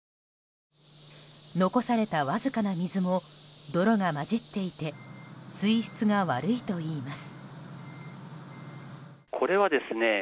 残されたわずかな水も泥が混じっていて水質が悪いといいます。